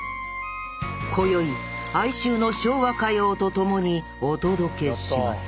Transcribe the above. こよい哀愁の昭和歌謡と共にお届けします